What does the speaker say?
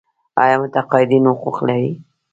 آیا متقاعدین حقوق لري؟